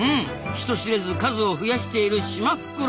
人知れず数を増やしているシマフクロウ。